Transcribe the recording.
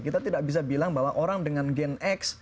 kita tidak bisa bilang bahwa orang dengan gen x